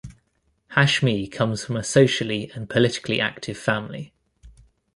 Hashmi comes from a socially and politically active family.